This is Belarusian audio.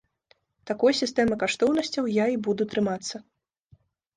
Такой сістэмы каштоўнасцяў я і буду трымацца.